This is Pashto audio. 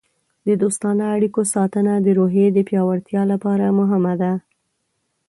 د دوستانه اړیکو ساتنه د روحیې د پیاوړتیا لپاره مهمه ده.